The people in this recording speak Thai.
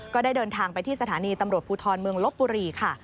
ก็ได้เดินทางไปที่สถานีตำรวจภูทรเมืองลบบุรีค่ะ